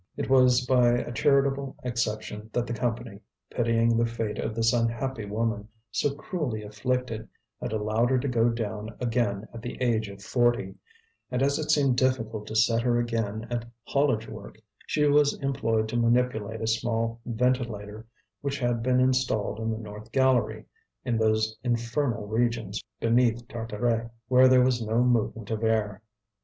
It was by a charitable exception that the Company, pitying the fate of this unhappy woman, so cruelly afflicted, had allowed her to go down again at the age of forty; and as it seemed difficult to set her again at haulage work, she was employed to manipulate a small ventilator which had been installed in the north gallery, in those infernal regions beneath Tartaret, where there was no movement of air.